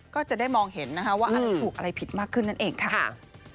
ก็จะได้มองเห็นนะคะว่าอะไรถูกอะไรผิดมากขึ้นนั่นเองค่ะ